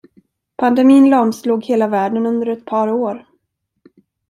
Pandemin lamslog hela världen under ett par år.